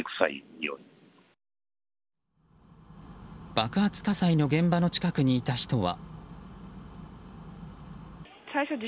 爆発火災の現場の近くにいた人は。